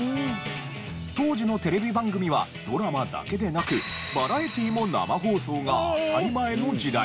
当時のテレビ番組はドラマだけでなくバラエティーも生放送が当たり前の時代。